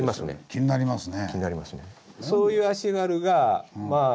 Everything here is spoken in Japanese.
気になりますね。